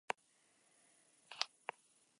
Es posible recorrer sus principales atractivos a pie.